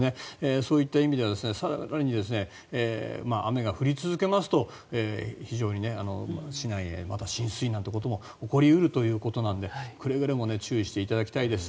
そういった意味では更に雨が降り続けますと非常に市内もまた浸水なんてことも起こり得るということなのでくれぐれも注意していただきたいですし